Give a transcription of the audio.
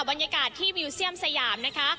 บรรยากาศที่วิวเซียมสยามนะคะ